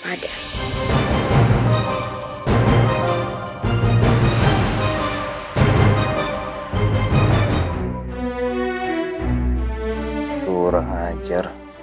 udah ya tasya